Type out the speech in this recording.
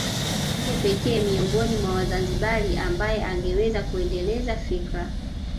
Ndiye pekee miongoni mwa Wazanzibari ambaye angeweza kuendeleza fikra